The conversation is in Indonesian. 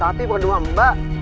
tapi bukan doang mbak